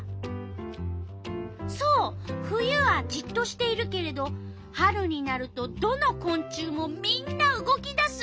そう冬はじっとしているけれど春になるとどのこん虫もみんな動き出す！